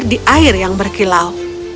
dia bisa berlayar di air yang berkilau